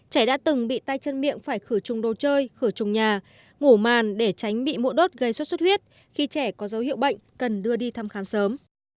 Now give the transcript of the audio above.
trẻ đã từng bị tay chân miệng phải khử trùng đồ chơi khử trùng nhà ngủ màn để tránh bị mũ đốt gây xuất xuất huyết khi trẻ có dấu hiệu bệnh cần đưa đi thăm khám sớm